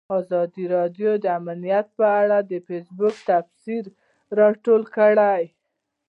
ازادي راډیو د امنیت په اړه د فیسبوک تبصرې راټولې کړي.